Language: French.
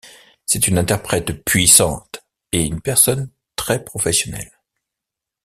C'est une interprète puissante et une personne très professionnelle.